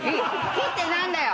⁉「木」って何だよ